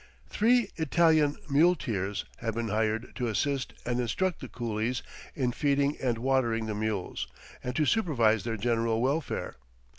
Three Italian muleteers have been hired to assist and instruct the coolies in feeding and watering the mules, and to supervise their general welfare.